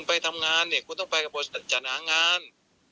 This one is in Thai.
ผมคนจะบอกคุณต้องไปกับบ่ชันหางาน